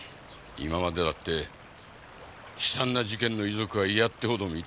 今までだって悲惨な事件の遺族は嫌ってほど見た。